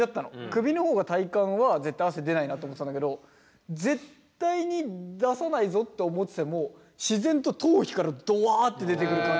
首の方が体感は絶対汗出ないなって思ってたんだけど絶対に出さないぞって思ってても自然と頭皮からドワッて出てくる感じなの。